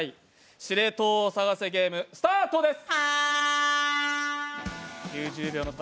「司令塔を探せゲーム」スタートです。